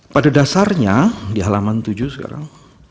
pada dasarnya di halaman tujuh sekarang